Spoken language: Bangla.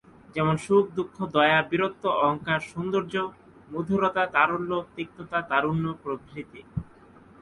যেমন: সুখ, দুঃখ, দয়া, বীরত্ব, অহংকার, সৌন্দর্য, মধুরতা, তারল্য, তিক্ততা, তারুণ্য প্রভৃতি।